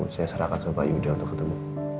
saya serahkan sama pak yuda untuk ketemu